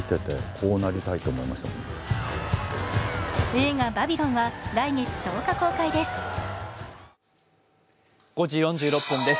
映画「バビロン」は来月１０日公開です。